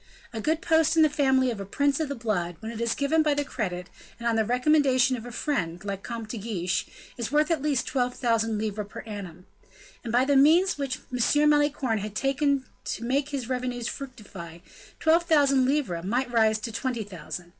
A good post in the family of a prince of the blood, when it is given by the credit, and on the recommendation of a friend, like the Comte de Guiche, is worth at least twelve thousand livres per annum; and by the means which M. Malicorne had taken to make his revenues fructify, twelve thousand livres might rise to twenty thousand.